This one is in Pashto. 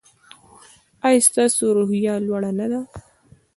ایا ستاسو روحیه لوړه نه ده؟